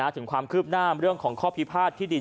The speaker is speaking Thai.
ถึงความคืบหน้าเรื่องของข้อพิพาทที่ดิน